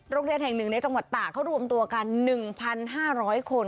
โรงเรียนแห่งหนึ่งในจังหวัดตากเขารวมตัวกัน๑๕๐๐คน